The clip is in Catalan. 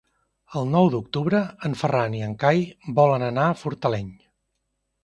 El nou d'octubre en Ferran i en Cai volen anar a Fortaleny.